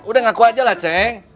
udah ngaku aja lah ceng